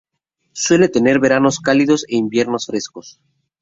Suele tener veranos cálidos e inviernos frescos.